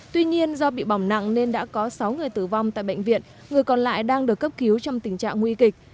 tuy nhiên do bị bỏng nặng nên đã có sáu người tử vong tại bệnh viện người còn lại đang được cấp cứu trong tình trạng nguy kịch